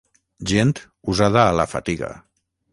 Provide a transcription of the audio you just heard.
Gent usada a la fatiga.